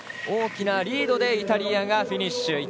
大きなリードでイタリアがフィニッシュ。